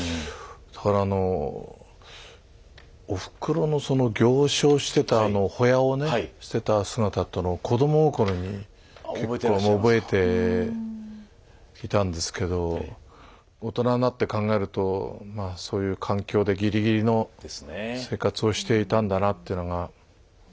だからあのおふくろのその行商してたあのホヤをねしてた姿っていうのは子ども心に結構覚えていたんですけど大人になって考えるとそういう環境でギリギリの生活をしていたんだなってのが。